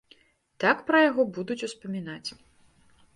Так пра яго будуць успамінаць.